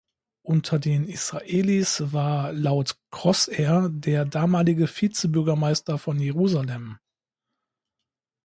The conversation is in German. Unter den Israelis war laut Crossair der damalige Vizebürgermeister von Jerusalem.